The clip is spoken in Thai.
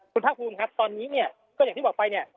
คุณภาคภูมิครับตอนนี้เนี่ยก็อย่างที่บอกไปเนี่ย